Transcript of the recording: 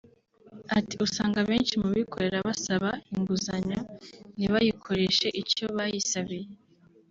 Ati “Usanga abenshi mu bikorera basaba inguzanyo ntibayikoreshe icyo bayisabiye